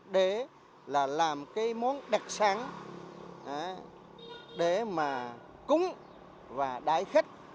để là làm cái món đặc sáng để mà cúng và đái khách